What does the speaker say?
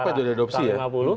kenapa diadopsi ya